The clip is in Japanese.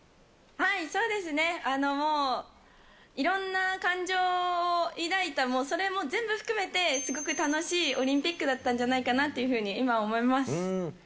はい、そうですね、もう、いろんな感情を抱いた、もうそれも全部含めて、すごく楽しいオリンピックだったんじゃないかなというふうに今は思います。